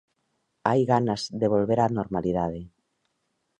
Hai ganas de volver á normalidade.